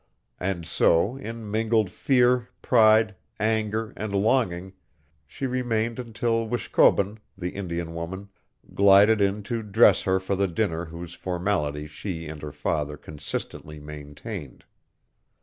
And so in mingled fear, pride, anger, and longing she remained until Wishkobun, the Indian woman, glided in to dress her for the dinner whose formality she and her father consistently maintained.